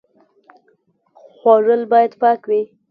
خوړل باید پاک وي